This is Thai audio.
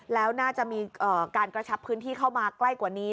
แล้วน่าจะมีการกระชับพื้นที่เข้ามาใกล้กว่านี้